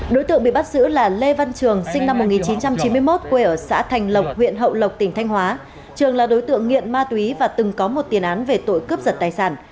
đối tượng bị bắt giữ là lê văn trường sinh năm một nghìn chín trăm chín mươi một quê ở xã thành lộc huyện hậu lộc tỉnh thanh hóa trường là đối tượng nghiện ma túy và từng có một tiền án về tội cướp giật tài sản